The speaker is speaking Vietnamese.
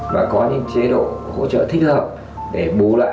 và có những chế độ hỗ trợ thất nghiệp đối với các thầy cô dạy mầm non